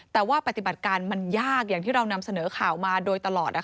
แต่ว่าปฏิบัติการมันยากอย่างที่เรานำเสนอข่าวมาโดยตลอด